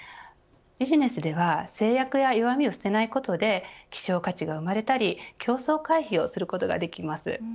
ビジネスでは制約や弱みを捨てないことで希少価値が生まれたり競争回避をすることができます。